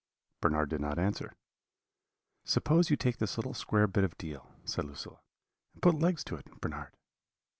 "Bernard did not answer. "'Suppose you take this little square bit of deal,' said Lucilla, 'and put legs to it, Bernard?'